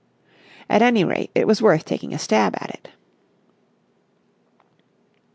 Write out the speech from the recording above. At any rate, it was worth taking a stab at it.